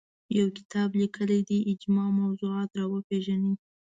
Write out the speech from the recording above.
یو کتاب لیکلی دی اجماع موضوعات راوپېژني